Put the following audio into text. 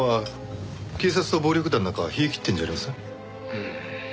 うん。